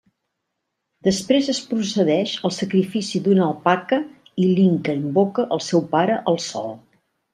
Després es procedeix al sacrifici d'una Alpaca i l'Inca invoca el seu pare el Sol.